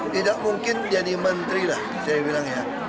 tidak mungkin jadi menteri lah saya bilang ya